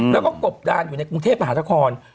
แล้วก็กบดานอยู่ในกรุงเทพมหานคร